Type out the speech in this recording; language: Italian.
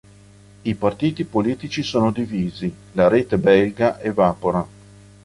I partiti politici sono divisi, la rete belga evapora.